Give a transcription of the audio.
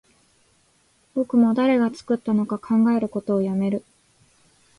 僕も誰が作ったのか考えることをやめる